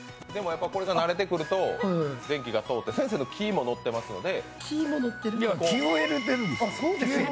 これが慣れてくると電気が通って、先生の気も乗ってますので。